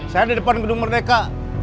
saya di depan gedung merdeka